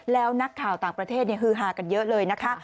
แล้วนักข่าวต่างประเทศฮือฮากันเยอะเลยนะคะ